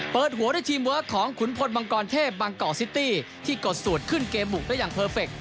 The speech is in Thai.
เปิดหัวด้วยทีมเวิร์คของขุนพลมังกรเทพบางกอกซิตี้ที่กดสูตรขึ้นเกมบุกได้อย่างเพอร์เฟค